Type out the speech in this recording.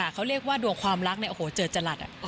เขาเรียกว่าดวงความรักเนี่ยโอ้โหเจอจรัส